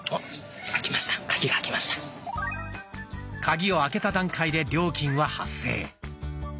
カギを開けた段階で料金は発生。